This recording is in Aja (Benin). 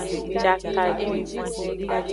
Jakavi.